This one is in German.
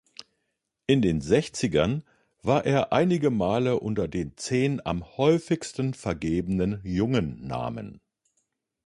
In den Sechzigern war er einige Male unter den zehn am häufigsten vergebenen Jungennamen.